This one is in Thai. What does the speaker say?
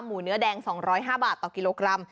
เนื้อแดง๒๐๕บาทต่อกิโลกรัม